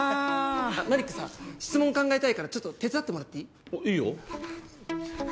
マリックさ質問考えたいからちょっと手伝ってもらっていい？いいよ。